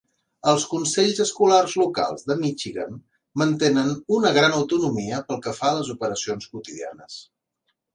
Els consells escolars locals de Michigan mantenen una gran autonomia pel que fa a les operacions quotidianes.